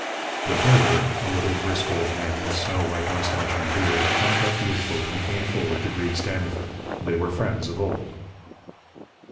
The treasurer, a little, brisk old man, with snow white moustache and beard, jumped up youthfully and came forward to greet Standifer. They were friends of old.